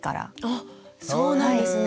あっそうなんですね。